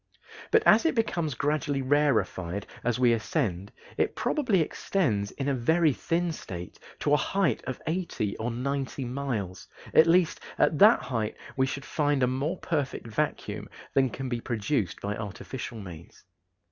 But as it becomes gradually rarefied as we ascend, it probably extends in a very thin state to a height of eighty or ninety miles; at least, at that height we should find a more perfect vacuum than can be produced by artificial means.